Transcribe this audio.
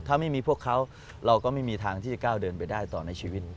ถ้าไม่มีพวกเขาเราก็ไม่มีทางที่จะก้าวเดินไปได้ต่อในชีวิต